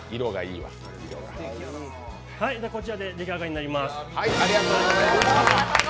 こちらで出来上がりになります。